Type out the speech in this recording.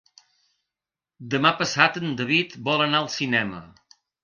Demà passat en David vol anar al cinema.